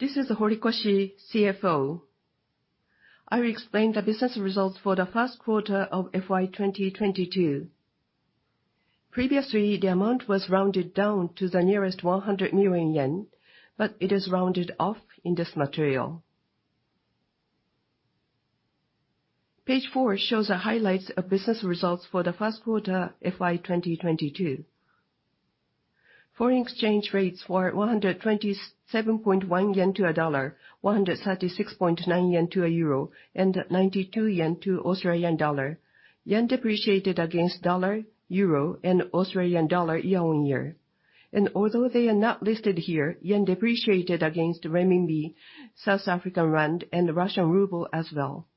This is Horikoshi, CFO. I will explain the business results for the first quarter of FY2022. Previously, the amount was rounded down to the nearest 100 million yen, but it is rounded off in this material. Page 4 shows the highlights of business results for the first quarter FY2022. Foreign exchange rates were 127.1 yen to a dollar, 136.9 yen to a euro, and 92 yen to Australian dollar. Yen depreciated against dollar, euro, and Australian dollar year-on-year. Although they are not listed here, yen depreciated against the renminbi, South African rand, and the Russian ruble as well.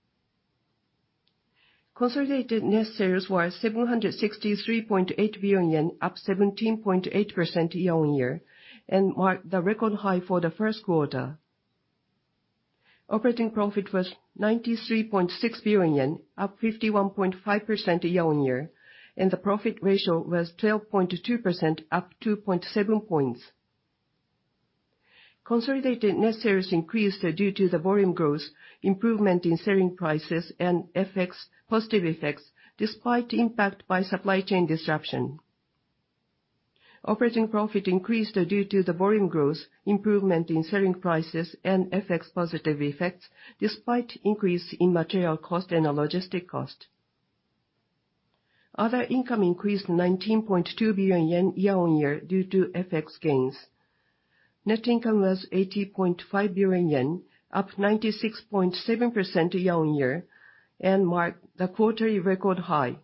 Consolidated net sales were 763.8 billion yen, up 17.8% year-on-year, and marked the record high for the first quarter. Operating profit was 93.6 billion yen, up 51.5% year-on-year, and the profit ratio was 12.2%, up 2.7 points. Consolidated net sales increased due to the volume growth, improvement in selling prices, and FX positive effects, despite impact by supply chain disruption. Operating profit increased due to the volume growth, improvement in selling prices, and FX positive effects, despite increase in material cost and the logistic cost. Other income increased 19.2 billion yen year-on-year due to FX gains. Net income was 80.5 billion yen, up 96.7% year-on-year, and marked the quarterly record high.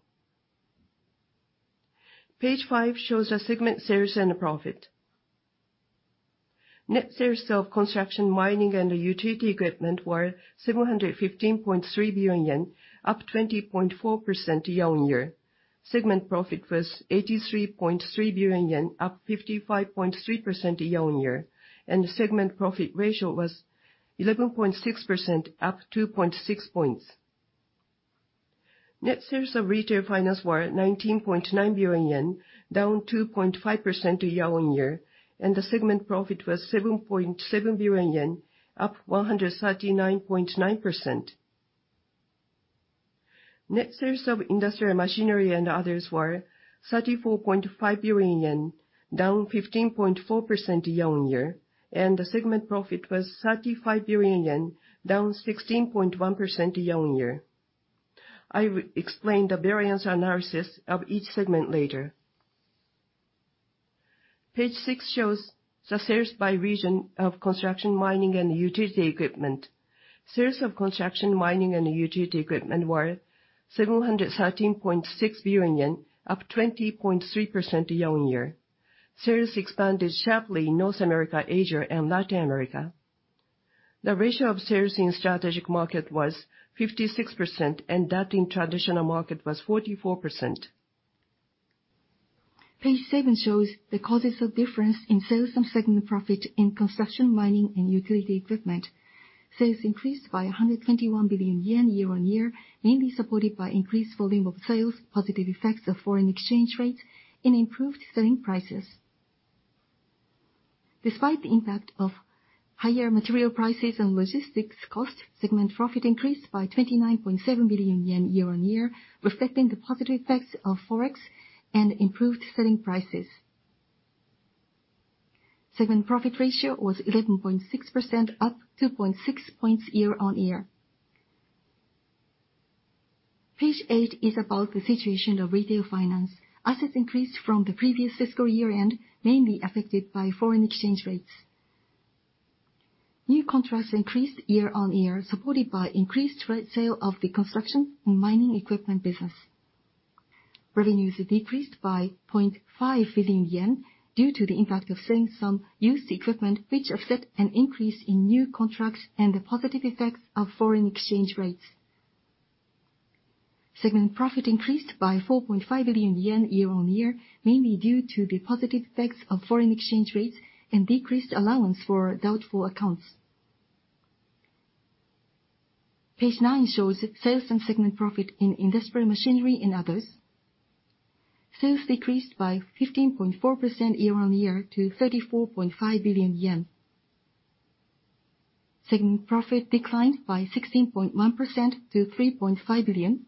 Page 5 shows the segment sales and the profit. Net sales of Construction, Mining, and Utility Equipment were 715.3 billion yen, up 20.4% year-on-year. Segment profit was 83.3 billion yen, up 55.3% year-on-year, and the segment profit ratio was 11.6%, up 2.6 points. Net sales of Retail Finance were 19.9 billion yen, down 2.5% year-on-year, and the segment profit was 7.7 billion yen, up 139.9%. Net sales of Industrial Machinery & Others were 34.5 billion yen, down 15.4% year-on-year, and the segment profit was 35 billion yen, down 16.1% year-on-year. I will explain the variance analysis of each segment later. Page 6 shows the sales by region of Construction, Mining & Utility Equipment. Sales of Construction, Mining & Utility Equipment were JPY 713.6 billion, up 20.3% year-on-year. Sales expanded sharply in North America, Asia, and Latin America. The ratio of sales in strategic market was 56%, and that in traditional market was 44%. Page 7 shows the causes of difference in sales and segment profit in Construction, Mining, and Utility Equipment. Sales increased by 121 billion yen year-on-year, mainly supported by increased volume of sales, positive effects of foreign exchange rates, and improved selling prices. Despite the impact of higher material prices and logistics cost, segment profit increased by 29.7 billion yen year-on-year, reflecting the positive effects of forex and improved selling prices. Segment profit ratio was 11.6%, up 2.6 points year-on-year. Page 8 is about the situation of Retail Finance. Assets increased from the previous fiscal year-end, mainly affected by foreign exchange rates. New contracts increased year-on-year, supported by increased sales of the construction and mining equipment business. Revenues decreased by 0.5 billion yen due to the impact of selling some used equipment, which offset an increase in new contracts and the positive effects of foreign exchange rates. Segment profit increased by 4.5 billion yen year-on-year, mainly due to the positive effects of foreign exchange rates and decreased allowance for doubtful accounts. Page 9 shows sales and segment profit in Industrial Machinery & Others. Sales decreased by 15.4% year-on-year to 34.5 billion yen. Segment profit declined by 16.1% to 3.5 billion.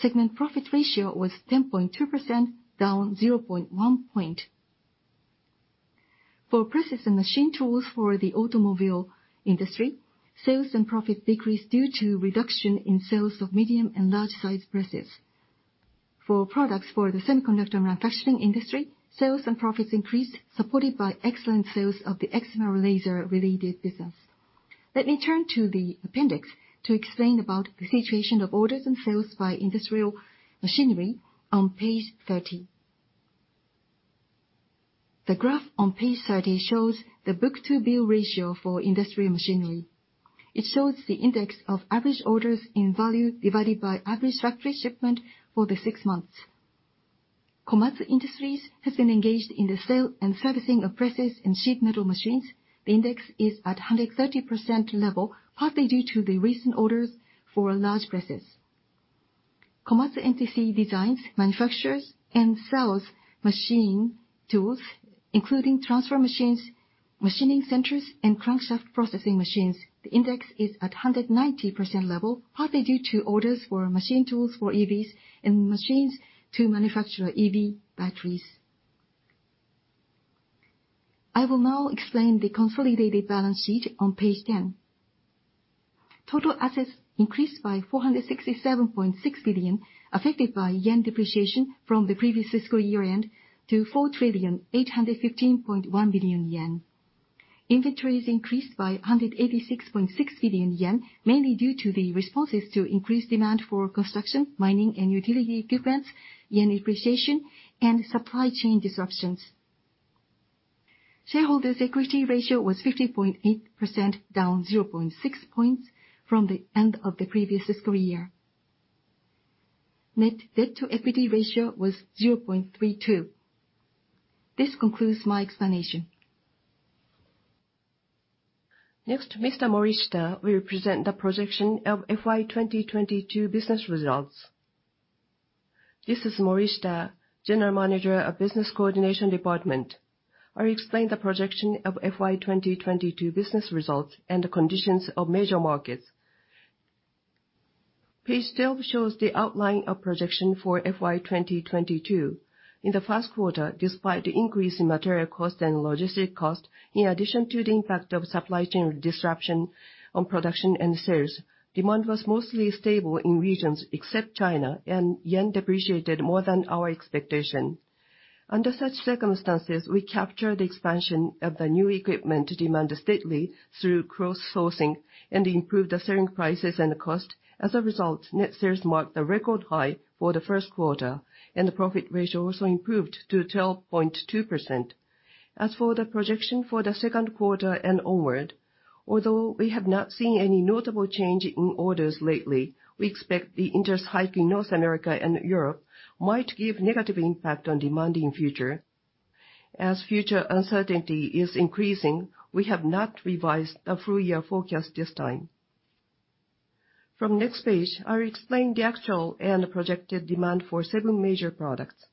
Segment profit ratio was 10.2%, down 0.1 point. For presses and machine tools for the automobile industry, sales and profit decreased due to reduction in sales of medium and large size presses. For products for the semiconductor manufacturing industry, sales and profits increased, supported by excellent sales of the excimer laser related business. Let me turn to the appendix to explain about the situation of orders and sales by industrial machinery on page 30. The graph on page 30 shows the book-to-bill ratio for industrial machinery. It shows the index of average orders in value divided by average factory shipment for the six months. Komatsu Industries has been engaged in the sale and servicing of presses and sheet metal machines. The index is at 130% level, partly due to the recent orders for large presses. Komatsu NTC Ltd. designs, manufactures, and sells machine tools, including transfer machines, machining centers, and crankshaft processing machines. The index is at 190% level, partly due to orders for machine tools for EVs and machines to manufacture EV batteries. I will now explain the consolidated balance sheet on page 10. Total assets increased by 467.6 billion, affected by yen depreciation from the previous fiscal year-end to 4,815.1 billion yen. Inventories increased by 186.6 billion yen, mainly due to the responses to increased demand for construction, mining, and utility equipment, yen depreciation, and supply chain disruptions. Shareholders' equity ratio was 50.8%, down 0.6 points from the end of the previous fiscal year. Net debt to equity ratio was 0.32. This concludes my explanation. Next, Mr. Morishita will present the projection of FY2022 business results. This is Morishita, General Manager of Business Coordination Department. I explain the projection of FY2022 business results and the conditions of major markets. Page 12 shows the outline of projection for FY2022. In the first quarter, despite the increase in material cost and logistic cost, in addition to the impact of supply chain disruption on production and sales, demand was mostly stable in regions except China, and yen depreciated more than our expectation. Under such circumstances, we capture the expansion of the new equipment demand steadily through cross-sourcing and improved the selling prices and the cost. As a result, net sales marked a record high for the first quarter, and the profit ratio also improved to 12.2%. As for the projection for the second quarter and onward, although we have not seen any notable change in orders lately, we expect the interest hike in North America and Europe might give negative impact on demand in future. As future uncertainty is increasing, we have not revised a full-year forecast this time. From next page, I'll explain the actual and projected demand for seven major products.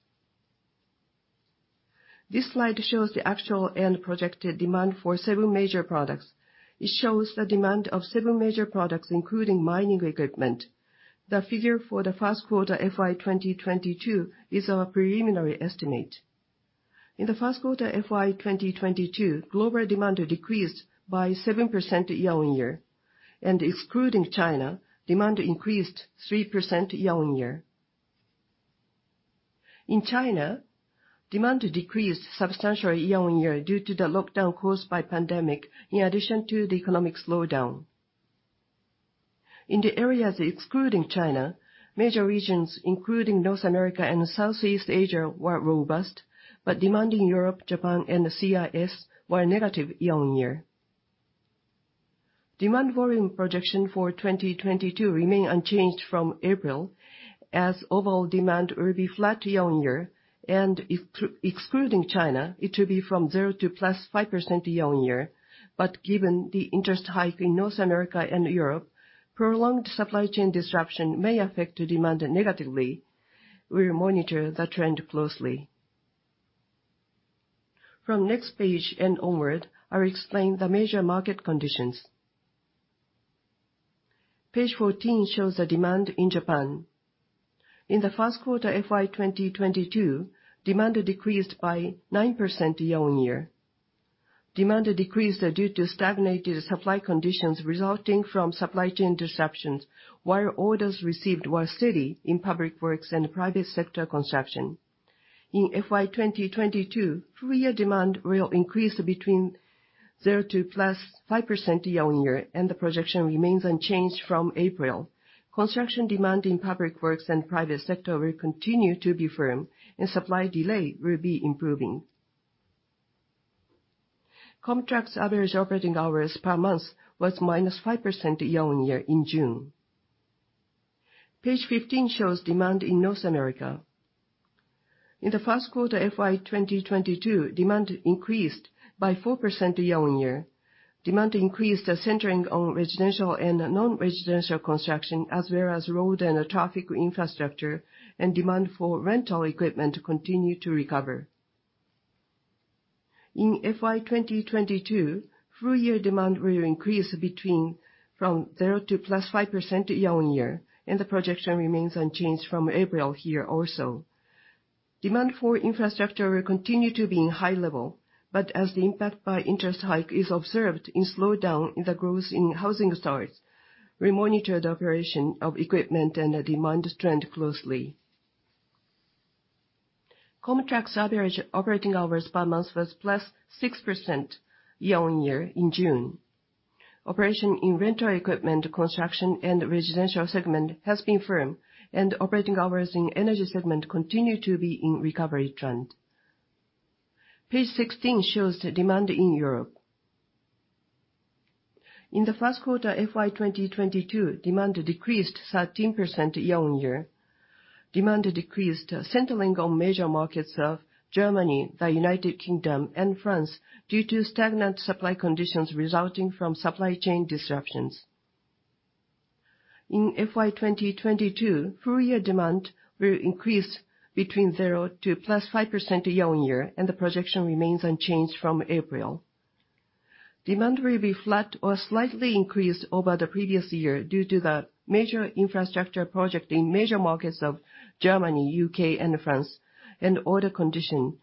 This slide shows the actual and projected demand for seven major products. It shows the demand of seven major products, including mining equipment. The figure for the first quarter FY2022 is our preliminary estimate. In the first quarter FY2022, global demand decreased by 7% year-on-year. Excluding China, demand increased 3% year-on-year. In China, demand decreased substantially year-on-year due to the lockdown caused by pandemic, in addition to the economic slowdown. In the areas excluding China, major regions, including North America and Southeast Asia, were robust, but demand in Europe, Japan, and the CIS were negative year-on-year. Demand volume projection for 2022 remain unchanged from April, as overall demand will be flat year-on-year. Excluding China, it will be from 0% to +5% year-on-year. Given the interest hike in North America and Europe, prolonged supply chain disruption may affect the demand negatively. We will monitor the trend closely. From next page and onward, I'll explain the major market conditions. Page 14 shows the demand in Japan. In the first quarter FY2022, demand decreased by 9% year-on-year. Demand decreased due to stagnated supply conditions resulting from supply chain disruptions, while orders received were steady in public works and private sector construction. In FY2022, full-year demand will increase between 0% to +5% year-on-year, and the projection remains unchanged from April. Construction demand in public works and private sector will continue to be firm, and supply delay will be improving. Komatsu's average operating hours per month was -5% year-on-year in June. Page 15 shows demand in North America. In the first quarter FY2022, demand increased by 4% year-on-year. Demand increased centering on residential and non-residential construction, as well as road and traffic infrastructure, and demand for rental equipment continued to recover. In FY2022, full-year demand will increase 0% to +5% year-over-year, and the projection remains unchanged from April here also. Demand for infrastructure will continue to be in high level, but as the impact by interest hike is observed in slowdown in the growth in housing starts, we monitor the operation of equipment and the demand trend closely. Komatsu's average operating hours per month was +6% year-over-year in June. Operation in rental equipment construction and residential segment has been firm, and operating hours in energy segment continue to be in recovery trend. Page sixteen shows the demand in Europe. In the first quarter FY2022, demand decreased 13% year-over-year. Demand decreased, centering on major markets of Germany, the United Kingdom, and France due to stagnant supply conditions resulting from supply chain disruptions. In FY2022, full year demand will increase between 0% to +5% year-on-year, and the projection remains unchanged from April. Demand will be flat or slightly increased over the previous year due to the major infrastructure project in major markets of Germany, U.K., and France, and order condition.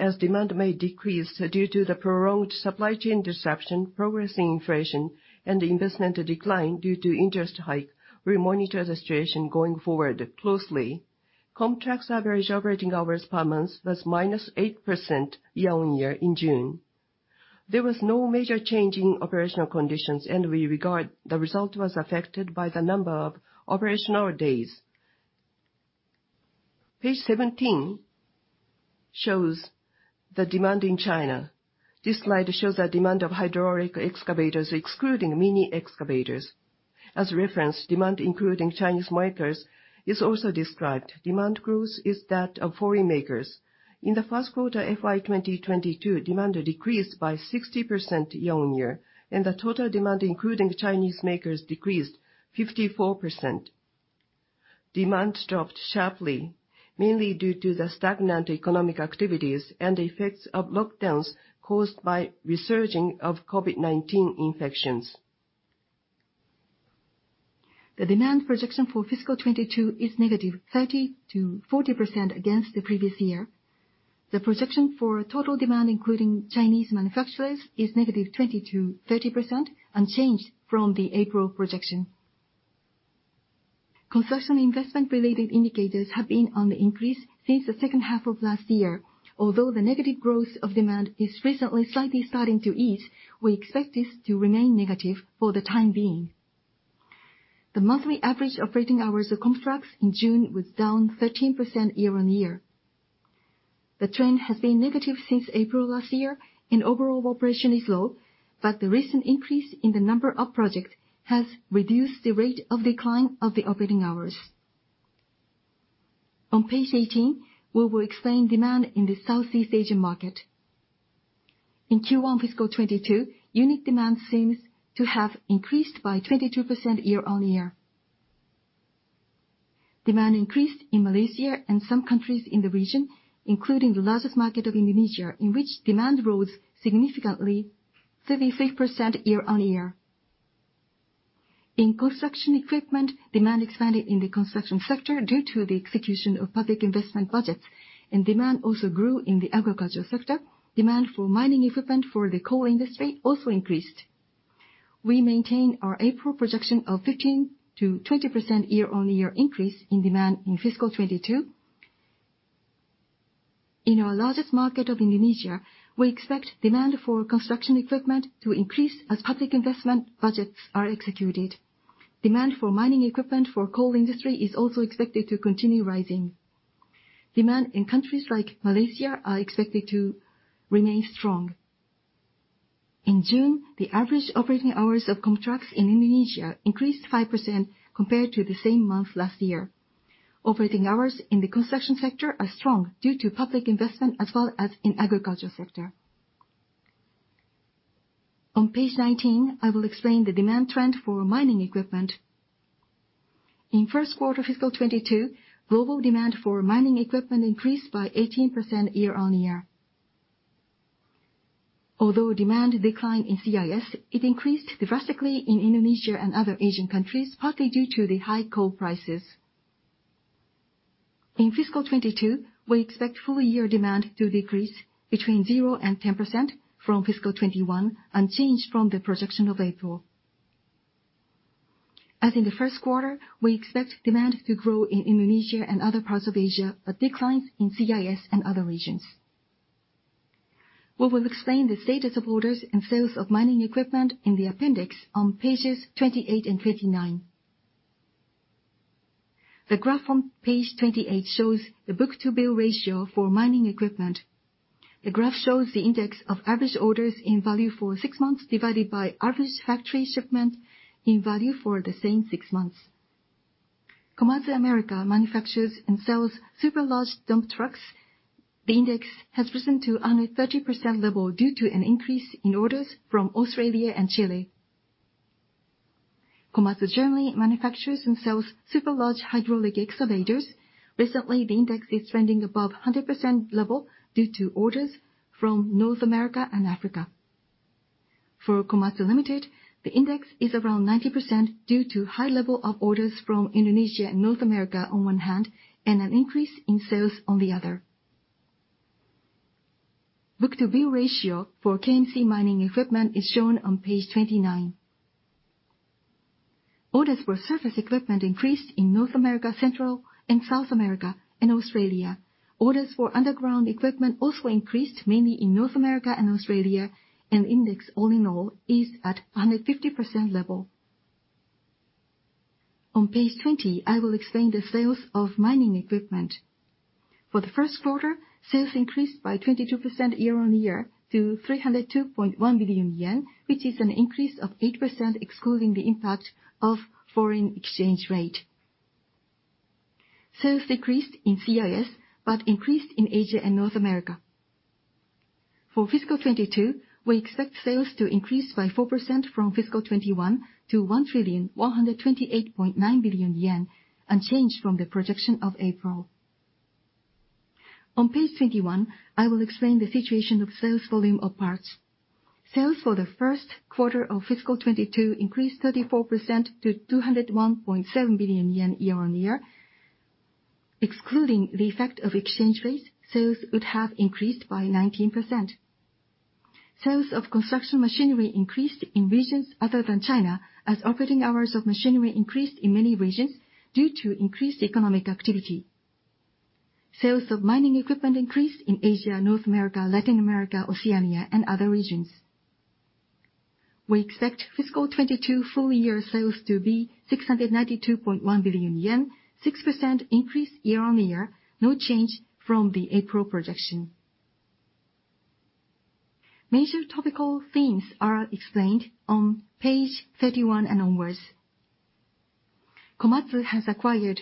As demand may decrease due to the prolonged supply chain disruption, progressing inflation, and investment decline due to interest hike, we monitor the situation going forward closely. Contract's average operating hours per month was -8% year-on-year in June. There was no major change in operational conditions, and we regard the result was affected by the number of operational days. Page 17 shows the demand in China. This slide shows the demand of hydraulic excavators excluding mini excavators. As a reference, demand including Chinese makers is also described. Demand growth is that of foreign makers. In the first quarter FY2022, demand decreased by 60% year-on-year, and the total demand, including Chinese makers, decreased 54%. Demand dropped sharply, mainly due to the stagnant economic activities and the effects of lockdowns caused by resurging of COVID-19 infections. The demand projection for fiscal 2022 is -30%-40% against the previous year. The projection for total demand, including Chinese manufacturers, is -20%-30%, unchanged from the April projection. Construction investment related indicators have been on the increase since the second half of last year. Although the negative growth of demand is recently slightly starting to ease, we expect this to remain negative for the time being. The monthly average operating hours of KOMTRAX in June was down 13% year-on-year. The trend has been negative since April last year and overall operation is low, but the recent increase in the number of project has reduced the rate of decline of the operating hours. On page 18, we will explain demand in the Southeast Asian market. In Q1 fiscal 2022, unit demand seems to have increased by 22% year-on-year. Demand increased in Malaysia and some countries in the region, including the largest market of Indonesia, in which demand rose significantly, 33% year-on-year. In construction equipment, demand expanded in the construction sector due to the execution of public investment budgets, and demand also grew in the agriculture sector. Demand for mining equipment for the coal industry also increased. We maintain our April projection of 15%-20% year-on-year increase in demand in fiscal 2022. In our largest market of Indonesia, we expect demand for construction equipment to increase as public investment budgets are executed. Demand for mining equipment for coal industry is also expected to continue rising. Demand in countries like Malaysia are expected to remain strong. In June, the average operating hours of KOMTRAX in Indonesia increased 5% compared to the same month last year. Operating hours in the construction sector are strong due to public investment as well as in agriculture sector. On page 19, I will explain the demand trend for mining equipment. In first quarter fiscal 2022, global demand for mining equipment increased by 18% year-on-year. Although demand declined in CIS, it increased drastically in Indonesia and other Asian countries, partly due to the high coal prices. In fiscal 2022, we expect full year demand to decrease between 0% and 10% from fiscal 2021, unchanged from the projection of April. As in the first quarter, we expect demand to grow in Indonesia and other parts of Asia, but declines in CIS and other regions. We will explain the status of orders and sales of mining equipment in the appendix on pages 28 and 29. The graph on page 28 shows the book-to-bill ratio for mining equipment. The graph shows the index of average orders in value for six months, divided by average factory shipment in value for the same six months. Komatsu America manufactures and sells super large dump trucks. The index has risen to only 30% level due to an increase in orders from Australia and Chile. Komatsu Germany manufactures and sells super large hydraulic excavators. Recently, the index is trending above 100% level due to orders from North America and Africa. For Komatsu Ltd., the index is around 90% due to high level of orders from Indonesia and North America on one hand, and an increase in sales on the other. Book-to-bill ratio for KMC mining equipment is shown on page 29. Orders for surface equipment increased in North America, Central and South America, and Australia. Orders for underground equipment also increased, mainly in North America and Australia, and index all in all is at a 150% level. On page 20, I will explain the sales of mining equipment. For the first quarter, sales increased by 22% year-on-year to 302.1 billion yen, which is an increase of 8% excluding the impact of foreign exchange rate. Sales decreased in CIS, but increased in Asia and North America. For fiscal '22, we expect sales to increase by 4% from fiscal '21 to 1,128.9 billion yen, unchanged from the projection of April. On page 21, I will explain the situation of sales volume of parts. Sales for the first quarter of fiscal '22 increased 34% to 201.7 billion yen year-over-year. Excluding the effect of exchange rate, sales would have increased by 19%. Sales of construction machinery increased in regions other than China, as operating hours of machinery increased in many regions due to increased economic activity. Sales of mining equipment increased in Asia, North America, Latin America, Oceania, and other regions. We expect fiscal 2022 full year sales to be 692.1 billion yen, 6% increase year-on-year, no change from the April projection. Major topical themes are explained on page 31 and onwards. Komatsu has acquired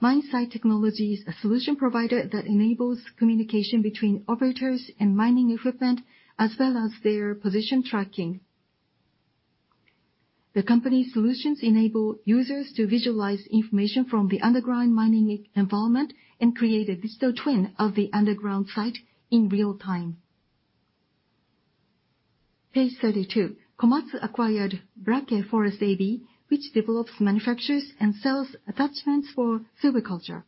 Mine Site Technologies, a solution provider that enables communication between operators and mining equipment, as well as their position tracking. The company's solutions enable users to visualize information from the underground mining environment and create a digital twin of the underground site in real time. Page 32. Komatsu acquired Bracke Forest AB, which develops, manufactures, and sells attachments for silviculture.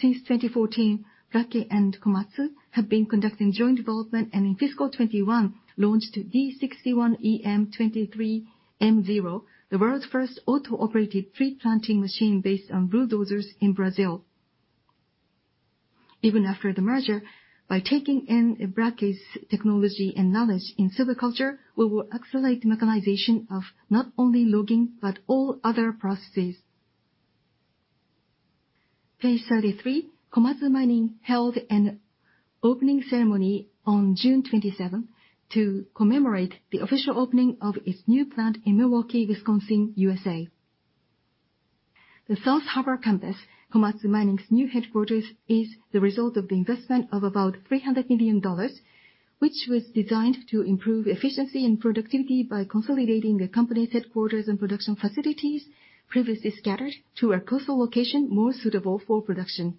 Since 2014, Bracke and Komatsu have been conducting joint development, and in fiscal 2021, launched D61EM-23M0, the world's first auto-operated tree planting machine based on bulldozers in Brazil. Even after the merger, by taking in Bräcke's technology and knowledge in silviculture, we will accelerate the mechanization of not only logging, but all other processes. Page 33. Komatsu Mining held an opening ceremony on June twenty-seventh to commemorate the official opening of its new plant in Milwaukee, Wisconsin, USA. The South Harbor Campus, Komatsu Mining's new headquarters, is the result of the investment of about $300 million, which was designed to improve efficiency and productivity by consolidating the company's headquarters and production facilities previously scattered to a coastal location more suitable for production.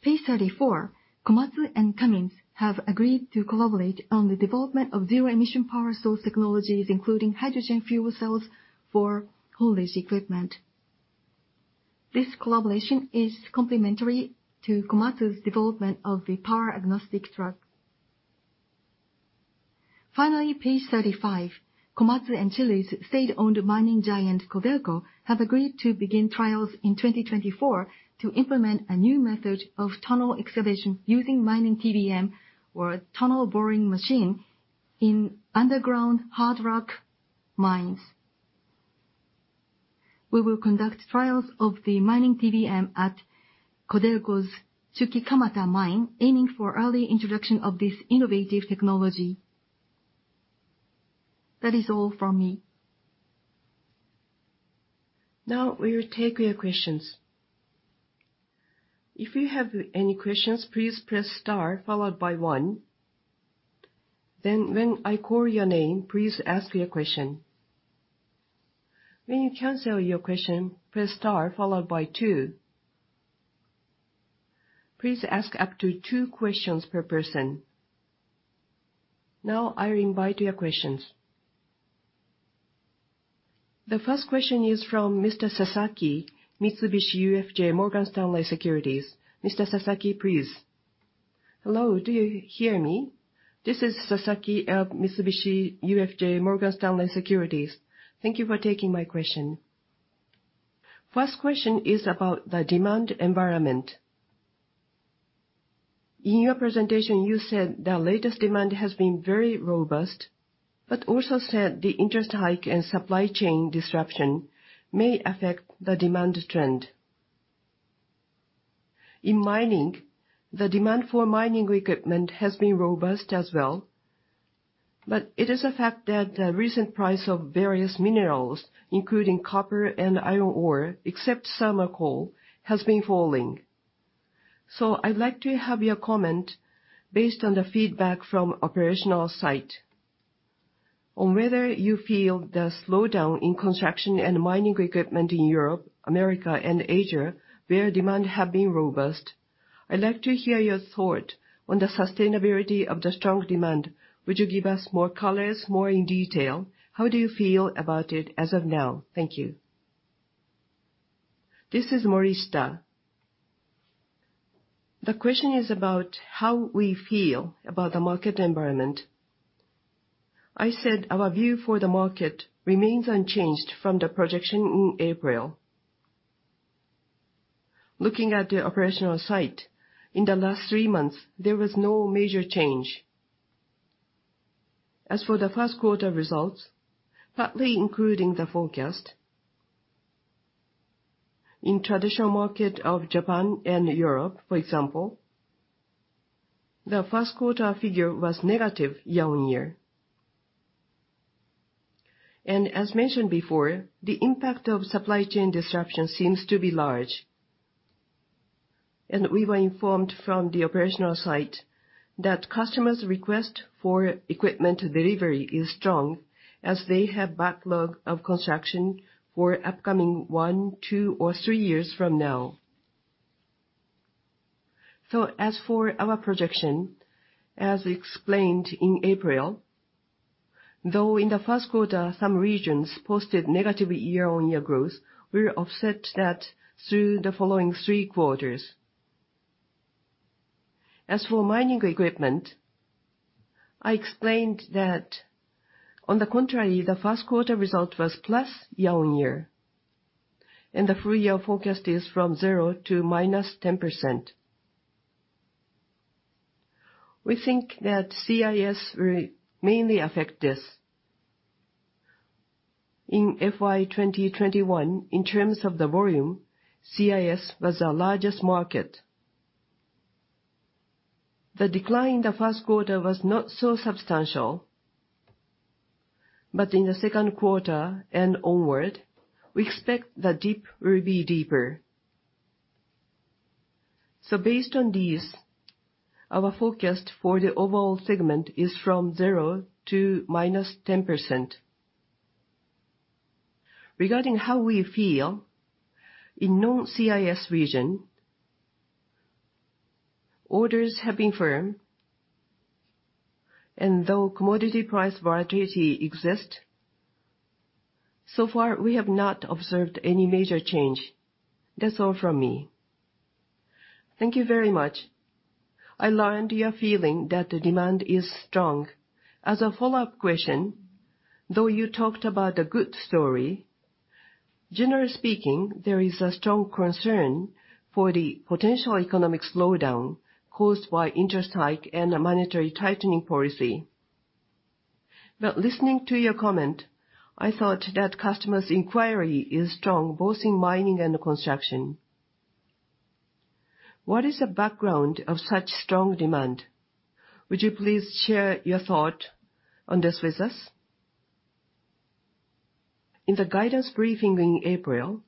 Page 34. Komatsu and Cummins have agreed to collaborate on the development of zero emission power source technologies, including hydrogen fuel cells for haulage equipment. This collaboration is complementary to Komatsu's development of the power agnostic truck. Finally, page 35. Komatsu and Chile's state-owned mining giant Codelco have agreed to begin trials in 2024 to implement a new method of tunnel excavation using mining TBM, or Tunnel Boring Machine, in underground hard rock mines. We will conduct trials of the mining TBM at Codelco's Chuquicamata mine, aiming for early introduction of this innovative technology. That is all from me. Now we will take your questions. If you have any questions, please press star followed by one. Then when I call your name, please ask your question. When you cancel your question, press star followed by two. Please ask up to two questions per person. Now I invite your questions. The first question is from Mr. Sasaki, Mitsubishi UFJ Morgan Stanley Securities. Mr. Sasaki, please. Hello, do you hear me? This is Sasaki of Mitsubishi UFJ Morgan Stanley Securities. Thank you for taking my question. First question is about the demand environment. In your presentation, you said the latest demand has been very robust, but also said the interest hike and supply chain disruption may affect the demand trend. In mining, the demand for mining equipment has been robust as well, but it is a fact that the recent price of various minerals, including copper and iron ore, except thermal coal, has been falling. I'd like to have your comment based on the feedback from operational site on whether you feel the slowdown in construction and mining equipment in Europe, America, and Asia, where demand have been robust. I'd like to hear your thought on the sustainability of the strong demand. Would you give us more colors, more in detail? How do you feel about it as of now? Thank you. This is Morishita. The question is about how we feel about the market environment. I said our view for the market remains unchanged from the projection in April. Looking at the operational site, in the last three months, there was no major change. As for the first quarter results, partly including the forecast, in traditional market of Japan and Europe, for example, the first quarter figure was negative year-on-year. As mentioned before, the impact of supply chain disruption seems to be large. We were informed from the operational site that customers' request for equipment delivery is strong, as they have backlog of construction for upcoming one, two, or three years from now. As for our projection, as explained in April, though in the first quarter some regions posted negative year-on-year growth, we'll offset that through the following three quarters. As for mining equipment, I explained that on the contrary, the first quarter result was plus year-on-year, and the full year forecast is from 0% to -10%. We think that CIS will mainly affect this. In FY2021, in terms of the volume, CIS was our largest market. The decline in the first quarter was not so substantial, but in the second quarter and onward, we expect the dip will be deeper. Based on this, our forecast for the overall segment is 0% to -10%. Regarding how we feel, in non-CIS region, orders have been firm. Though commodity price volatility exists, so far we have not observed any major change. That's all from me. Thank you very much. I learned you are feeling that the demand is strong. As a follow-up question, though you talked about a good story, generally speaking, there is a strong concern for the potential economic slowdown caused by interest hike and a monetary tightening policy. Listening to your comment, I thought that customers' inquiry is strong, both in mining and construction. What is the background of such strong demand? Would you please share your thought on this with us? In the guidance briefing in April,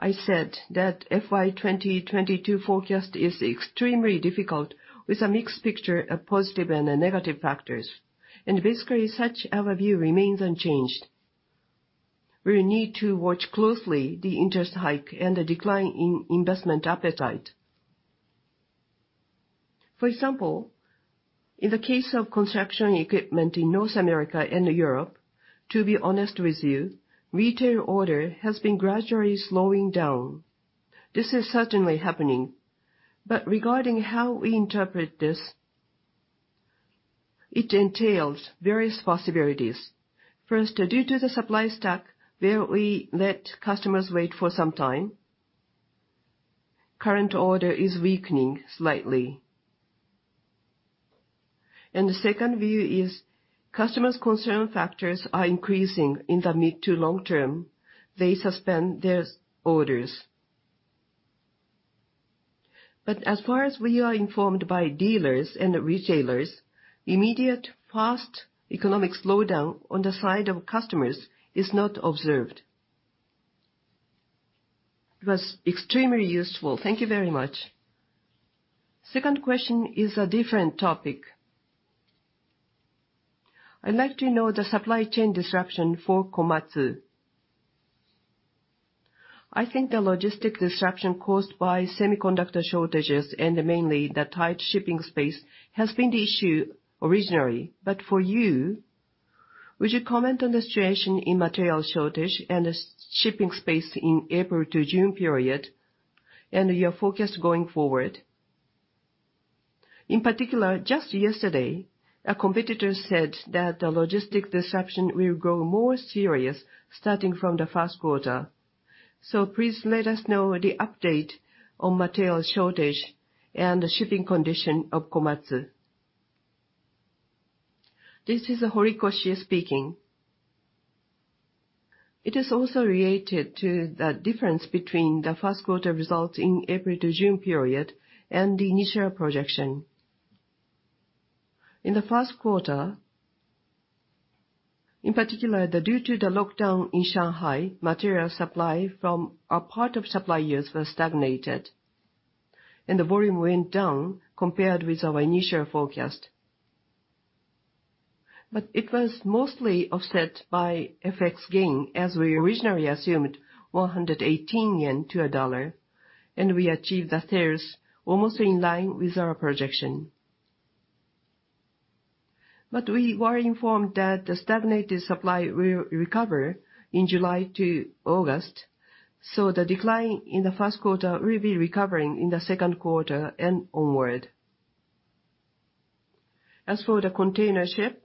I said that FY2022 forecast is extremely difficult, with a mixed picture of positive and negative factors. Basically, such our view remains unchanged. We need to watch closely the interest hike and the decline in investment appetite. For example, in the case of construction equipment in North America and Europe, to be honest with you, retail order has been gradually slowing down. This is certainly happening. Regarding how we interpret this, it entails various possibilities. First, due to the supply shock, where we let customers wait for some time, current order is weakening slightly. The second view is customers' concern factors are increasing in the mid to long term. They suspend their orders. As far as we are informed by dealers and retailers, immediate fast economic slowdown on the side of customers is not observed. It was extremely useful. Thank you very much. Second question is a different topic. I'd like to know the supply chain disruption for Komatsu. I think the logistics disruption caused by semiconductor shortages and mainly the tight shipping space has been the issue originally. For you, would you comment on the situation in material shortage and the shipping space in April to June period, and your forecast going forward? In particular, just yesterday, a competitor said that the logistics disruption will grow more serious starting from the first quarter. Please let us know the update on material shortage and the shipping condition of Komatsu. This is Horikoshi speaking. It is also related to the difference between the first quarter results in April to June period, and the initial projection. In the first quarter, in particular, due to the lockdown in Shanghai, material supply from a part of suppliers was stagnated, and the volume went down compared with our initial forecast. It was mostly offset by FX gain, as we originally assumed 118 yen to a dollar, and we achieved the sales almost in line with our projection. We were informed that the stagnated supply will recover in July to August, so the decline in the first quarter will be recovering in the second quarter and onward. As for the container ship.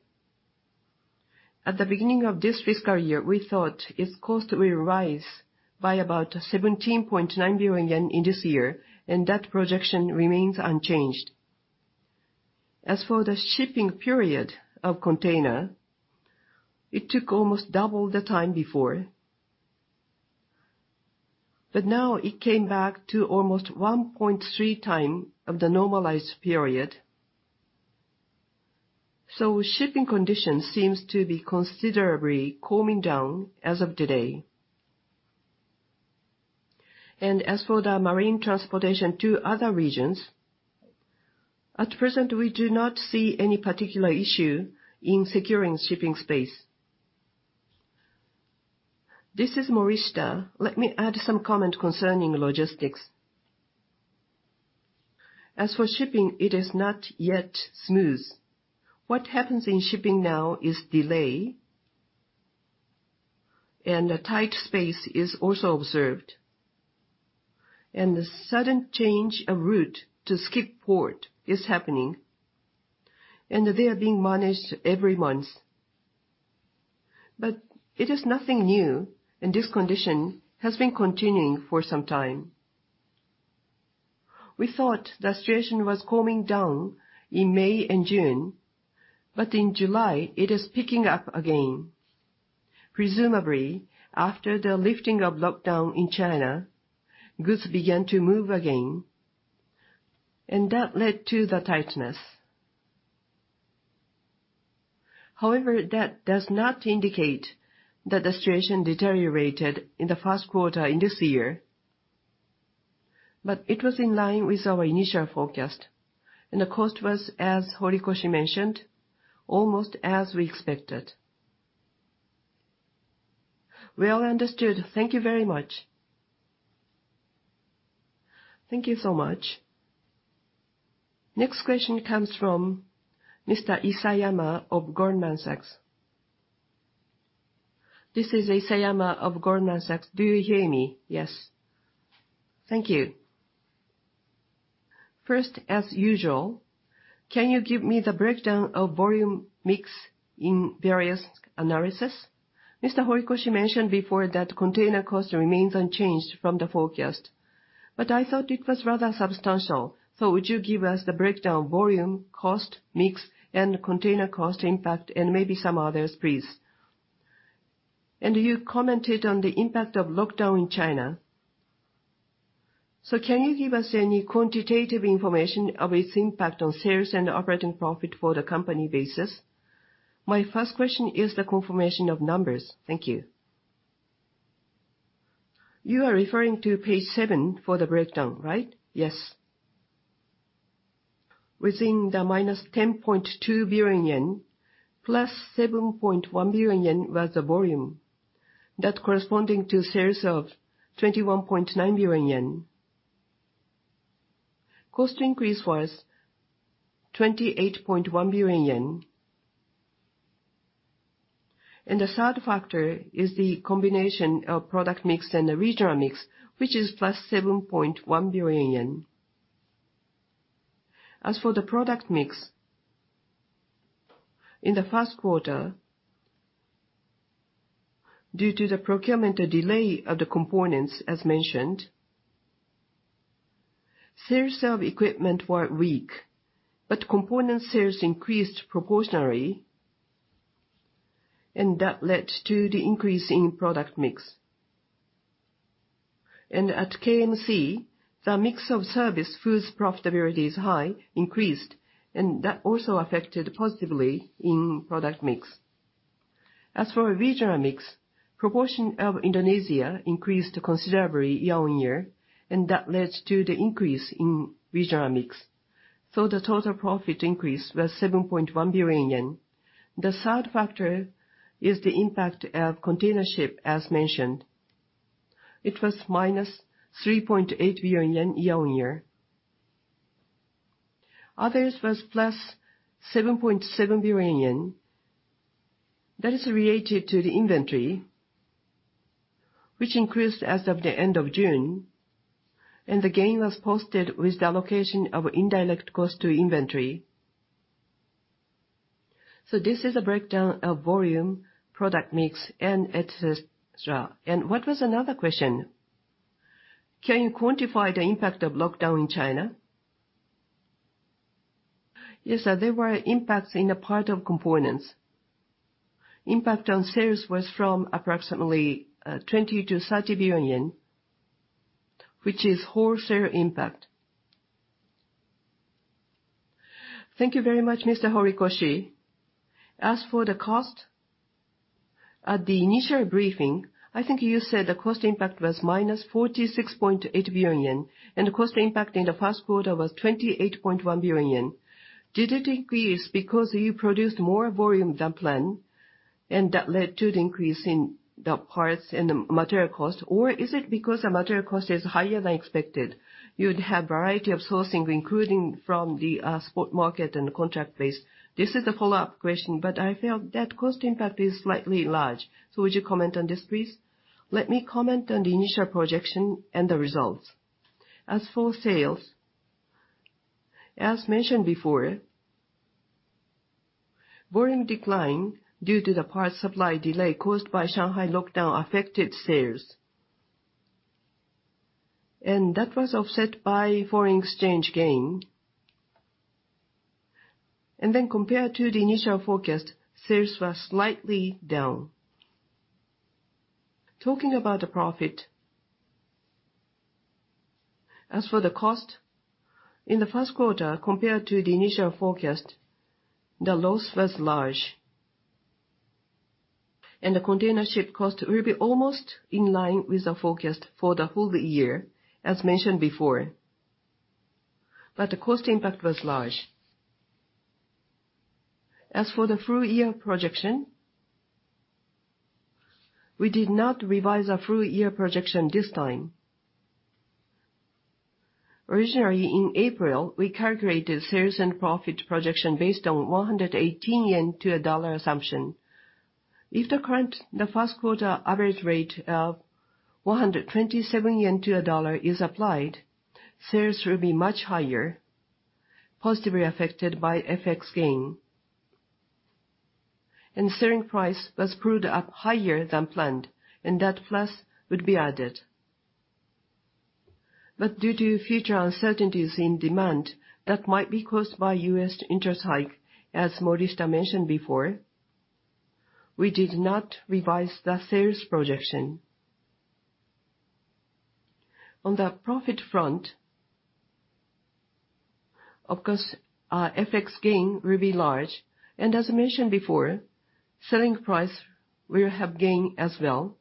At the beginning of this fiscal year, we thought its cost will rise by about 17.9 billion yen in this year, and that projection remains unchanged. As for the shipping period of container, it took almost double the time before. Now it came back to almost 1.3 time of the normalized period. Shipping conditions seems to be considerably calming down as of today. As for the marine transportation to other regions, at present, we do not see any particular issue in securing shipping space. This is Morishita. Let me add some comment concerning logistics. As for shipping, it is not yet smooth. What happens in shipping now is delay, and a tight space is also observed. The sudden change of route to skip port is happening, and they are being managed every month. It is nothing new, and this condition has been continuing for some time. We thought the situation was calming down in May and June, but in July it is picking up again. Presumably, after the lifting of lockdown in China, goods began to move again, and that led to the tightness. However, that does not indicate that the situation deteriorated in the first quarter in this year, but it was in line with our initial forecast, and the cost was, as Horikoshi mentioned, almost as we expected. Well understood. Thank you very much. Thank you so much. Next question comes from Mr. Isayama of Goldman Sachs. This is Isayama of Goldman Sachs. Do you hear me? Yes. Thank you. First, as usual, can you give me the breakdown of volume mix in various analysis? Mr. Horikoshi mentioned before that container cost remains unchanged from the forecast, but I thought it was rather substantial. So would you give us the breakdown volume, cost, mix, and container cost impact, and maybe some others, please? And you commented on the impact of lockdown in China. Can you give us any quantitative information of its impact on sales and operating profit for the company basis? My first question is the confirmation of numbers. Thank you. You are referring to page 7 for the breakdown, right? Yes. Within the -10.2 billion yen, +7.1 billion yen was the volume. That corresponding to sales of 21.9 billion yen. Cost increase was 28.1 billion yen. The third factor is the combination of product mix and the regional mix, which is +7.1 billion yen. As for the product mix, in the first quarter, due to the procurement delay of the components as mentioned, sales of equipment were weak, but component sales increased proportionally, and that led to the increase in product mix. At KMC, the mix of service whose profitability is high increased, and that also affected positively in product mix. As for regional mix, proportion of Indonesia increased considerably year-on-year, and that led to the increase in regional mix. The total profit increase was 7.1 billion yen. The third factor is the impact of container ship, as mentioned. It was -3.8 billion yen year-on-year. Others was +7.7 billion yen. That is related to the inventory, which increased as of the end of June, and the gain was posted with the allocation of indirect cost to inventory. This is a breakdown of volume, product mix, and et cetera. What was another question? Can you quantify the impact of lockdown in China? Yes, there were impacts in the part of components. Impact on sales was from approximately twenty to thirty billion yen, which is wholesale impact. Thank you very much, Mr. Horikoshi. As for the cost, at the initial briefing, I think you said the cost impact was -46.8 billion yen, and the cost impact in the first quarter was 28.1 billion yen. Did it increase because you produced more volume than planned, and that led to the increase in the parts and the material cost? Or is it because the material cost is higher than expected? You'd have variety of sourcing, including from the spot market and contract basis. This is a follow-up question, but I felt that cost impact is slightly large. Would you comment on this, please? Let me comment on the initial projection and the results. As mentioned before, volume decline due to the parts supply delay caused by Shanghai lockdown affected sales. That was offset by foreign exchange gain. Compared to the initial forecast, sales were slightly down. Talking about the profit, as for the cost, in the first quarter, compared to the initial forecast, the loss was large, and the container ship cost will be almost in line with the forecast for the full year, as mentioned before. The cost impact was large. As for the full year projection, we did not revise our full year projection this time. Originally, in April, we calculated sales and profit projection based on 118 yen to a dollar assumption. If the current, the first quarter average rate of 127 yen to a dollar is applied, sales will be much higher, positively affected by FX gain. Selling price was screwed up higher than planned, and that plus would be added. Due to future uncertainties in demand that might be caused by U.S. interest hike, as Morishita mentioned before, we did not revise the sales projection. On the profit front, of course, our FX gain will be large. As mentioned before, selling price will have gain as well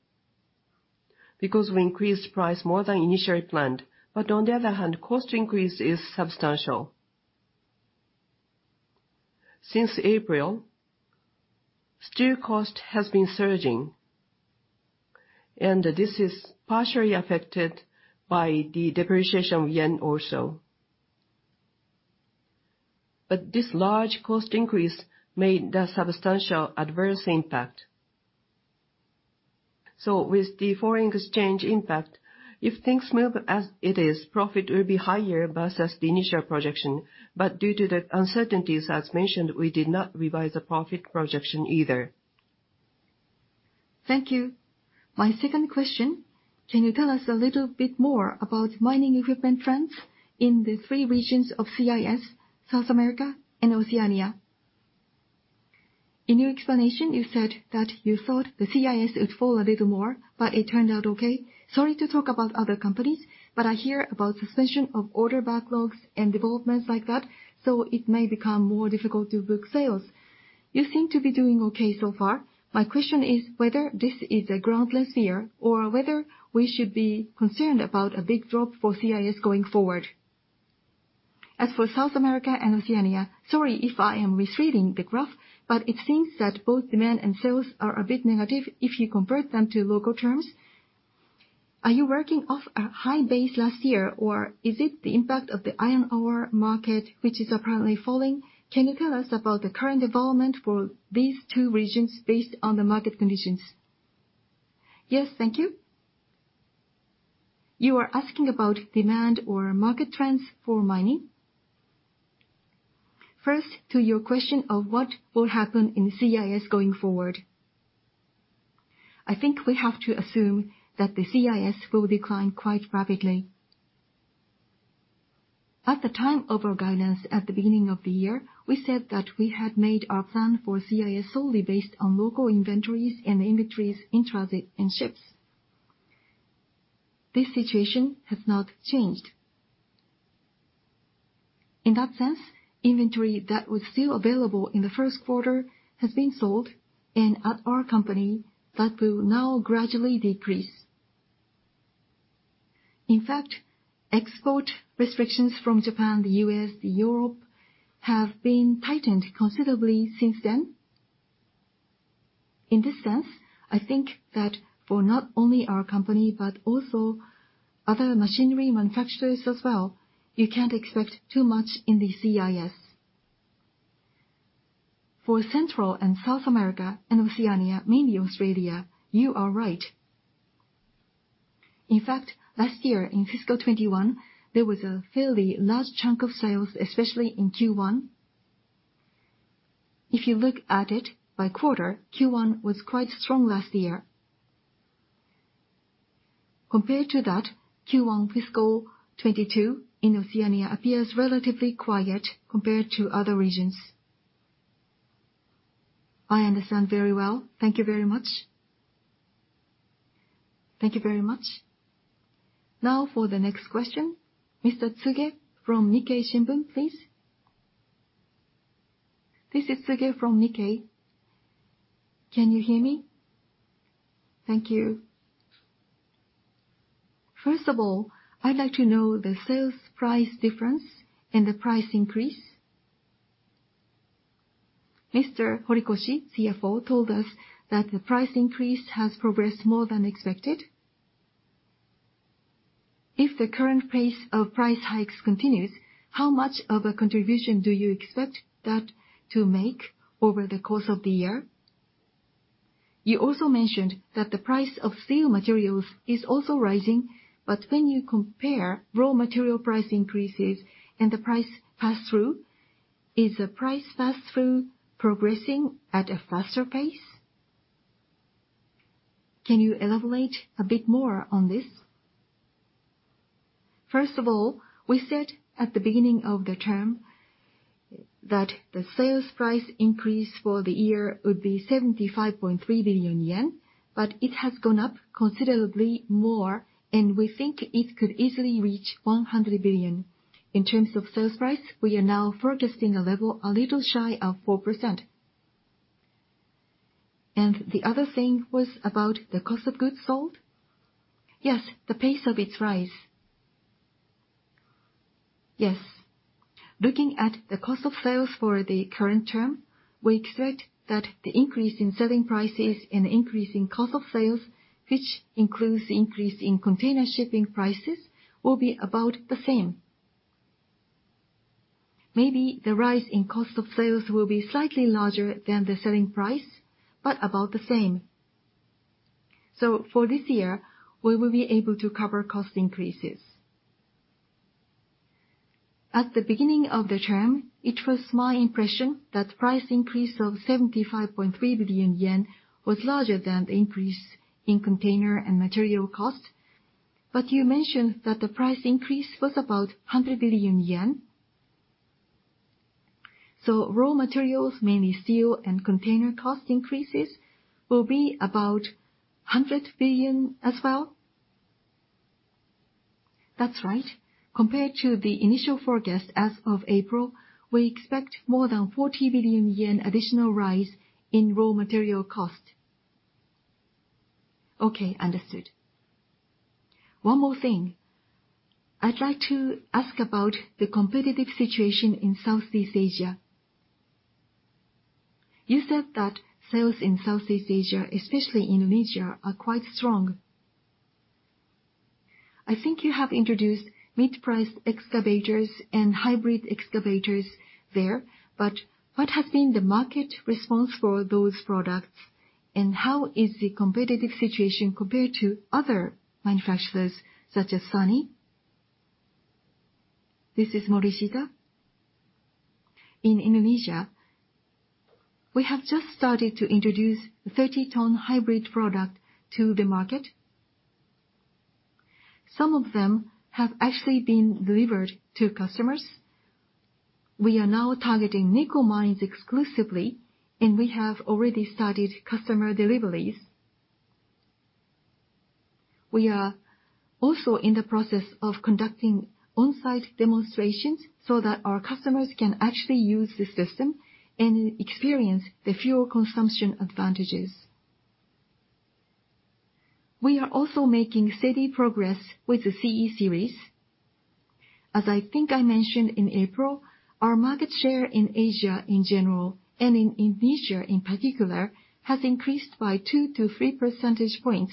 because we increased price more than initially planned. On the other hand, cost increase is substantial. Since April, steel cost has been surging, and this is partially affected by the depreciation of yen also. This large cost increase made a substantial adverse impact. With the foreign exchange impact, if things move as it is, profit will be higher versus the initial projection. Due to the uncertainties, as mentioned, we did not revise the profit projection either. Thank you. My second question, can you tell us a little bit more about mining equipment trends in the three regions of CIS, South America, and Oceania? In your explanation, you said that you thought the CIS would fall a little more, but it turned out okay. Sorry to talk about other companies, but I hear about suspension of order backlogs and developments like that, so it may become more difficult to book sales. You seem to be doing okay so far. My question is whether this is a groundless fear or whether we should be concerned about a big drop for CIS going forward. As for South America and Oceania, sorry if I am misreading the graph, but it seems that both demand and sales are a bit negative if you convert them to local terms. Are you working off a high base last year, or is it the impact of the iron ore market, which is apparently falling? Can you tell us about the current development for these two regions based on the market conditions? Yes, thank you. You are asking about demand or market trends for mining. First, to your question of what will happen in CIS going forward, I think we have to assume that the CIS will decline quite rapidly. At the time of our guidance at the beginning of the year, we said that we had made our plan for CIS solely based on local inventories and inventories in transit in ships. This situation has not changed. In that sense, inventory that was still available in the first quarter has been sold, and at our company, that will now gradually decrease. In fact, export restrictions from Japan, the U.S., Europe, have been tightened considerably since then. In this sense, I think that for not only our company, but also other machinery manufacturers as well, you can't expect too much in the CIS. For Central and South America and Oceania, mainly Australia, you are right. In fact, last year in fiscal 2021, there was a fairly large chunk of sales, especially in Q1. If you look at it by quarter, Q1 was quite strong last year. Compared to that, Q1 fiscal 2022 in Oceania appears relatively quiet compared to other regions. I understand very well. Thank you very much. Thank you very much. Now for the next question, Mr. Tsuge from Nikkei Shimbun, please. This is Tsuge from Nikkei. Can you hear me? Thank you. First of all, I'd like to know the sales price difference and the price increase. Mr. Horikoshi, CFO, told us that the price increase has progressed more than expected. If the current pace of price hikes continues, how much of a contribution do you expect that to make over the course of the year? You also mentioned that the price of steel materials is also rising, but when you compare raw material price increases and the price pass-through, is the price pass-through progressing at a faster pace? Can you elaborate a bit more on this? First of all, we said at the beginning of the term that the sales price increase for the year would be 75.3 billion yen, but it has gone up considerably more, and we think it could easily reach 100 billion. In terms of sales price, we are now forecasting a level a little shy of 4%. The other thing was about the cost of goods sold? Yes, the pace of its rise. Yes. Looking at the cost of sales for the current term, we expect that the increase in selling prices and increase in cost of sales, which includes the increase in container shipping prices, will be about the same. Maybe the rise in cost of sales will be slightly larger than the selling price, but about the same. For this year, we will be able to cover cost increases. At the beginning of the term, it was my impression that price increase of 75.3 billion yen was larger than the increase in container and material cost. You mentioned that the price increase was about 100 billion yen. Raw materials, mainly steel and container cost increases, will be about 100 billion as well? That's right. Compared to the initial forecast as of April, we expect more than 40 billion yen additional rise in raw material cost. Okay, understood. One more thing. I'd like to ask about the competitive situation in Southeast Asia. You said that sales in Southeast Asia, especially Indonesia, are quite strong. I think you have introduced mid-priced excavators and hybrid excavators there, but what has been the market response for those products, and how is the competitive situation compared to other manufacturers, such as SANY? This is Morishita. In Indonesia, we have just started to introduce the 30-ton hybrid product to the market. Some of them have actually been delivered to customers. We are now targeting nickel mines exclusively, and we have already started customer deliveries. We are also in the process of conducting on-site demonstrations so that our customers can actually use the system and experience the fuel consumption advantages. We are also making steady progress with the CE series. As I think I mentioned in April, our market share in Asia in general, and in Indonesia in particular, has increased by 2-3 percentage points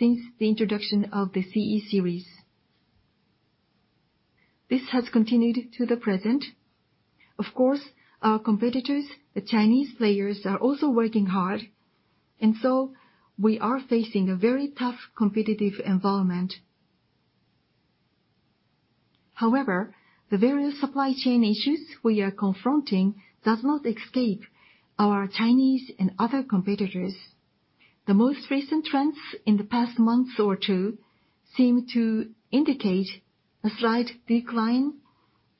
since the introduction of the CE series. This has continued to the present. Of course, our competitors, the Chinese players, are also working hard, and so we are facing a very tough competitive environment. However, the various supply chain issues we are confronting does not escape our Chinese and other competitors. The most recent trends in the past month or two seem to indicate a slight decline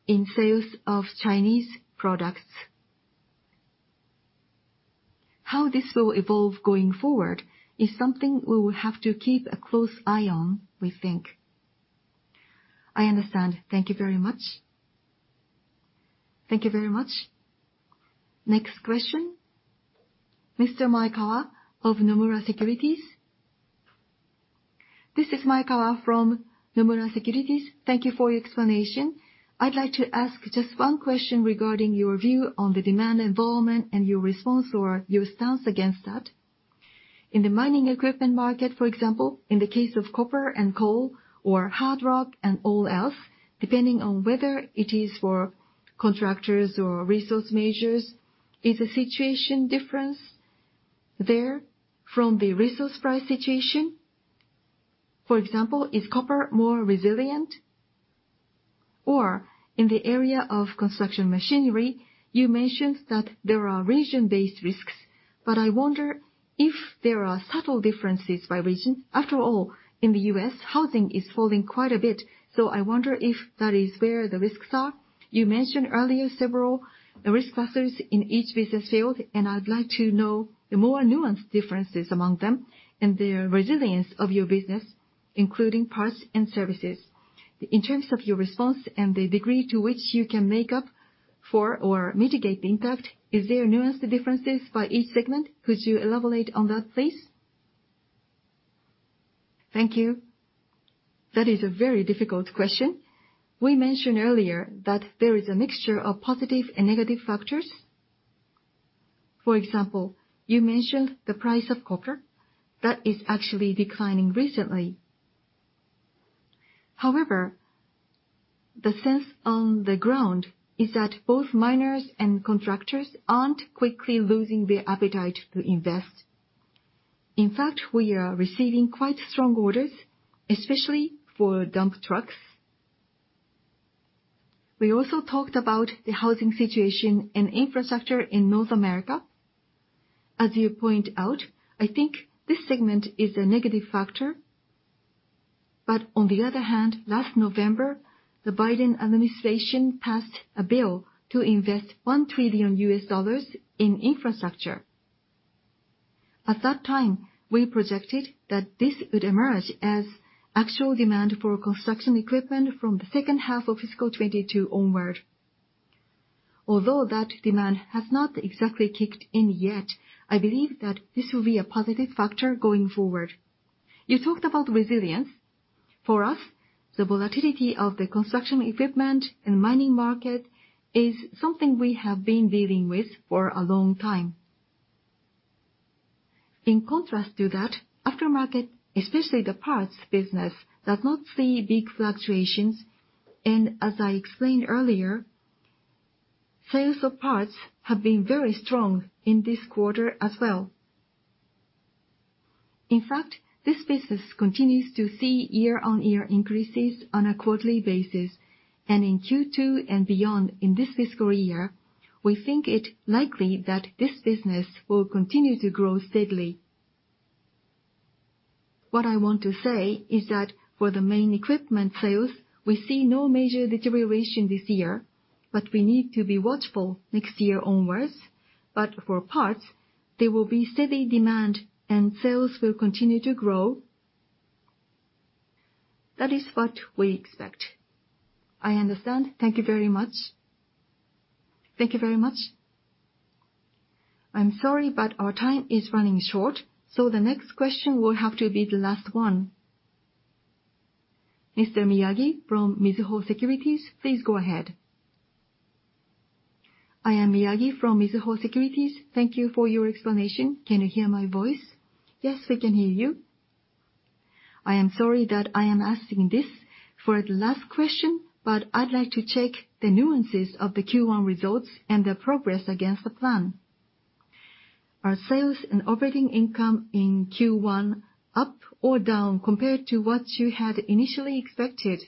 in sales of Chinese products. How this will evolve going forward is something we will have to keep a close eye on, we think. I understand. Thank you very much. Thank you very much. Next question, Mr. Maekawa of Nomura Securities. This is Maekawa from Nomura Securities. Thank you for your explanation. I'd like to ask just one question regarding your view on the demand environment and your response or your stance against that. In the mining equipment market, for example, in the case of copper and coal or hard rock and all else, depending on whether it is for contractors or resource majors, is the situation different there from the resource price situation? For example, is copper more resilient? Or in the area of construction machinery, you mentioned that there are region-based risks, but I wonder if there are subtle differences by region. After all, in the U.S., housing is falling quite a bit, so I wonder if that is where the risks are. You mentioned earlier several risk factors in each business field, and I'd like to know the more nuanced differences among them and the resilience of your business, including parts and services. In terms of your response and the degree to which you can make up for or mitigate the impact, is there nuanced differences by each segment? Could you elaborate on that, please? Thank you. That is a very difficult question. We mentioned earlier that there is a mixture of positive and negative factors. For example, you mentioned the price of copper. That is actually declining recently. However, the sense on the ground is that both miners and contractors aren't quickly losing their appetite to invest. In fact, we are receiving quite strong orders, especially for dump trucks. We also talked about the housing situation and infrastructure in North America. As you point out, I think this segment is a negative factor. On the other hand, last November, the Biden administration passed a bill to invest $1 trillion in infrastructure. At that time, we projected that this would emerge as actual demand for construction equipment from the second half of fiscal 2022 onward. Although that demand has not exactly kicked in yet, I believe that this will be a positive factor going forward. You talked about resilience. For us, the volatility of the construction equipment and mining market is something we have been dealing with for a long time. In contrast to that, aftermarket, especially the parts business, does not see big fluctuations. As I explained earlier, sales of parts have been very strong in this quarter as well. In fact, this business continues to see year-on-year increases on a quarterly basis. In Q2 and beyond in this fiscal year, we think it likely that this business will continue to grow steadily. What I want to say is that for the main equipment sales, we see no major deterioration this year, but we need to be watchful next year onwards. For parts, there will be steady demand and sales will continue to grow. That is what we expect. I understand. Thank you very much. Thank you very much. I'm sorry, but our time is running short, so the next question will have to be the last one. Mr. Miyagi from Mizuho Securities, please go ahead. I am Miyagi from Mizuho Securities. Thank you for your explanation. Can you hear my voice? Yes, we can hear you. I am sorry that I am asking this for the last question, but I'd like to check the nuances of the Q1 results and the progress against the plan. Are sales and operating income in Q1 up or down compared to what you had initially expected?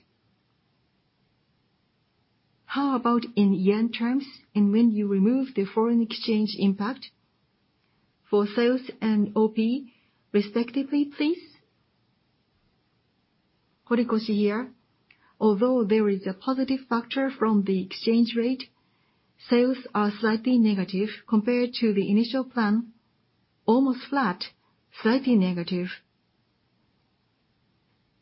How about in yen terms and when you remove the foreign exchange impact for sales and OP respectively, please? Horikoshi here. Although there is a positive factor from the exchange rate, sales are slightly negative compared to the initial plan, almost flat, slightly negative.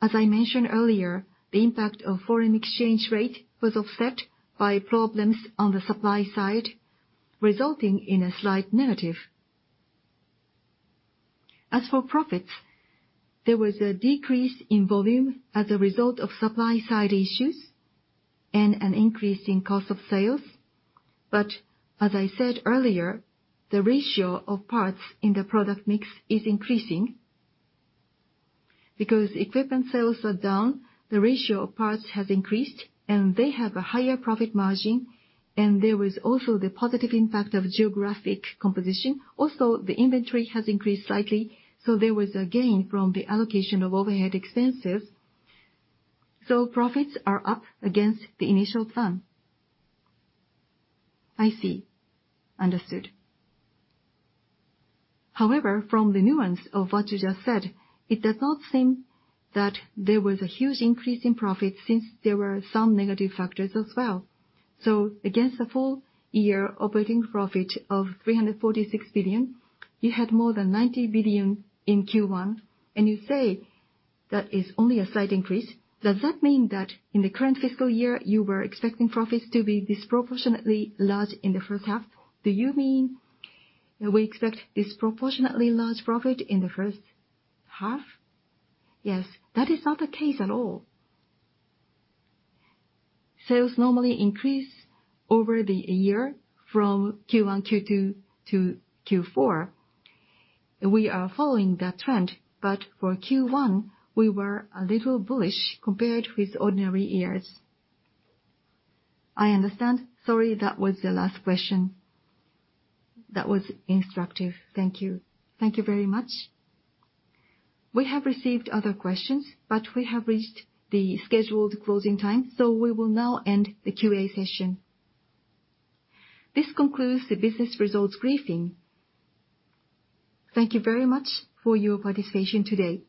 As I mentioned earlier, the impact of foreign exchange rate was offset by problems on the supply side, resulting in a slight negative. As for profits, there was a decrease in volume as a result of supply side issues and an increase in cost of sales. As I said earlier, the ratio of parts in the product mix is increasing. Because equipment sales are down, the ratio of parts has increased, and they have a higher profit margin, and there was also the positive impact of geographic composition. Also, the inventory has increased slightly, so there was a gain from the allocation of overhead expenses. Profits are up against the initial plan. I see. Understood. However, from the nuance of what you just said, it does not seem that there was a huge increase in profit since there were some negative factors as well. So against the full year operating profit of 346 billion, you had more than 90 billion in Q1, and you say that is only a slight increase. Does that mean that in the current fiscal year, you were expecting profits to be disproportionately large in the first half? That we expect disproportionately large profit in the first half? Yes. That is not the case at all. Sales normally increase over the year from Q1, Q2 to Q4. We are following that trend. For Q1, we were a little bullish compared with ordinary years. I understand. Sorry, that was the last question. That was instructive. Thank you. Thank you very much. We have received other questions, but we have reached the scheduled closing time, so we will now end the QA session. This concludes the business results briefing. Thank you very much for your participation today.